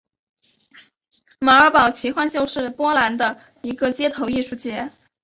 马尔堡奇幻秀是波兰的一个街头艺术节。